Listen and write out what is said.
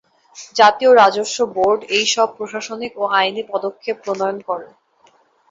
জাতীয় রাজস্ব বোর্ড এই সব প্রশাসনিক ও আইনি পদক্ষেপ প্রণয়ন করে।